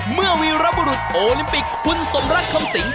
วีรบุรุษโอลิมปิกคุณสมรักคำสิง